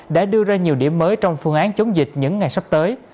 đã đưa ra nhiều điểm mới trong phương án chống dịch những ngày sắp tới